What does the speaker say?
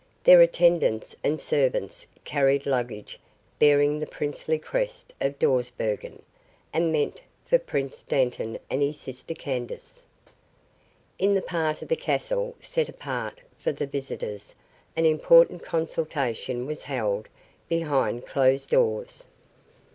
Their attendants and servants carried luggage bearing the princely crest of Dawsbergen, and meant for Prince Dantan and his sister Candace. In the part of the castle set apart for the visitors an important consultation was held behind closed doors.